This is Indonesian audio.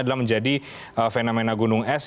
adalah menjadi fenomena gunung es